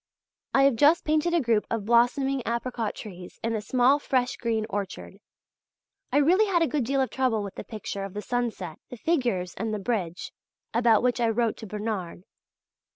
I have just painted a group of blossoming apricot trees in a small fresh green orchard. I really had a good deal of trouble with the picture of the sunset, the figures and the bridge, about which I wrote to Bernard.